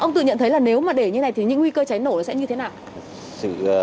ông tự nhận thấy là nếu mà để như này thì những nguy cơ cháy nổ sẽ như thế nào